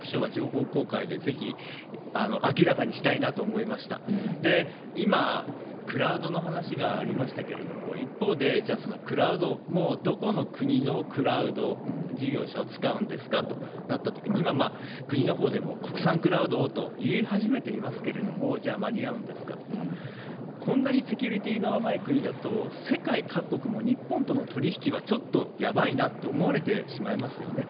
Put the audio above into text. こういった中で、今、クラウドの話がありましたけど、一方で、じゃあそのクラウドも、どこの国のクラウド事業者を使うんですか？となったときに、今は国のほうでも国産クラウドをと言い始めていますけれども、じゃあ、間に合うんですか？とか、こんなにセキュリティーの甘い国だと、世界各国も日本との取り引きはちょっとやばいなって思われてしまいますよね。